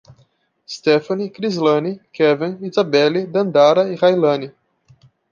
Stefane, Crislane, Keven, Isabelly, Dandara e Railane